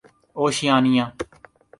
Oceania